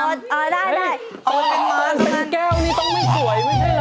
ต้องเป็นแก้วนี่ต้องไม่สวยไม่ใช่เหรอ